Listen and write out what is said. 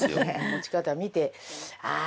持ち方見てああ